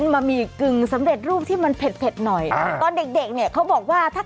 ไปดูน้องค่ะ